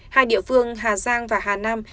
hai địa phương hà giang và hà nam